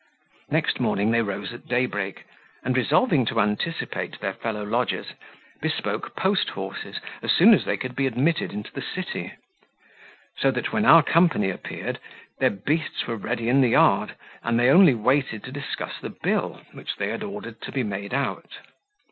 Next morning they rose at daybreak, and resolving to anticipate their fellow lodgers, bespoke post horses as soon as they could be admitted into the city; so that, when our company appeared, their beasts were ready in the yard, and they only waited to discuss the bill, which they had ordered to be made out.